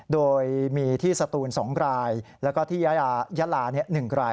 โดยมีที่สตูน๒รายแล้วก็ที่ยะลา๑ราย